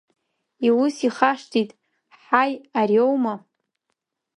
Иус ихашҭит, ҳаи, ариоума!